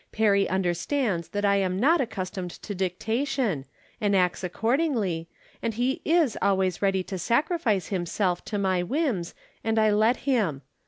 Perry understands that I am not ac customed to dictation, and acts accordingly, and he is always ready to sacrifice himself to my whims, and I let him.